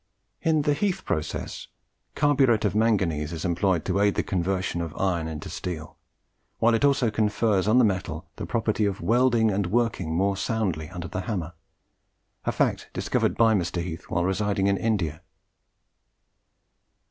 In the Heath process, carburet of manganese is employed to aid the conversion of iron into steel, while it also confers on the metal the property of welding and working more soundly under the hammer a fact discovered by Mr. Heath while residing in India.